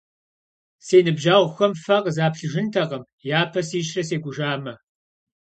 Си ныбжьэгъухэм фэ къызаплъыжынтэкъым, япэ сищрэ секӀужамэ.